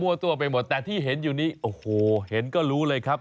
ตัวไปหมดแต่ที่เห็นอยู่นี้โอ้โหเห็นก็รู้เลยครับ